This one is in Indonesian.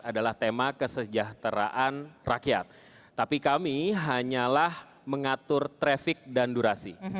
adalah tema kesejahteraan rakyat tapi kami hanyalah mengatur traffic dan durasi